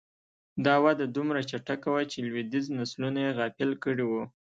دا وده دومره چټکه وه چې لوېدیځ نسلونه یې غافل کړي وو